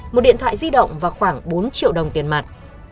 một điện thoại di động và khoảng bốn triệu đồng tiền mặt